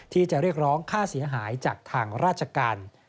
ที่จะเรียกร้องค่าเสียหายจากทางราชการ